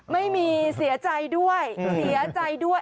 ไม่มีเสียใจด้วยเสียใจด้วย